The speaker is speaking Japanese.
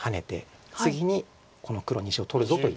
次にこの黒２子を取るぞといって。